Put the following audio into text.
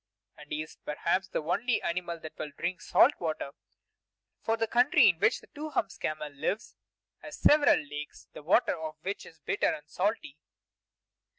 And he is perhaps the only animal that will drink salt water; for the country in which the Two Humps camel lives has several lakes, the water of which is bitter and salty.